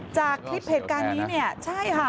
จากคลิปเหตุการณ์นี้เนี่ยใช่ค่ะ